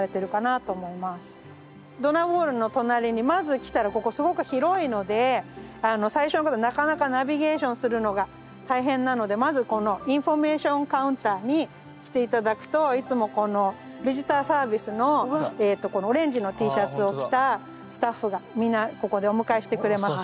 ドナーウォールの隣にまず来たらここすごく広いので最初のなかなかナビゲーションするのが大変なのでまずこのインフォメーションカウンターに来て頂くといつもこのビジターサービスのこのオレンジのＴシャツを着たスタッフが皆ここでお迎えしてくれます。